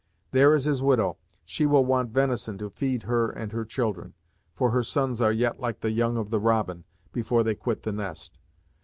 There is his widow; she will want venison to feed her and her children, for her sons are yet like the young of the robin, before they quit the nest.